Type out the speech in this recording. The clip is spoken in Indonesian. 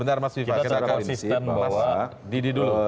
kita terpaksa konsisten bahwa